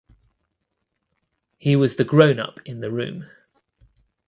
He was the grownup in the room.